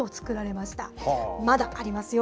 まだありますよ。